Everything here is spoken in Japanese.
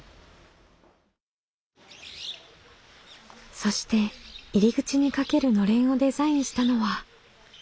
そして入り口にかける暖簾をデザインしたのは。